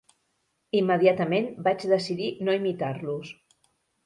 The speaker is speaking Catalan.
Immediatament vaig decidir no imitar-los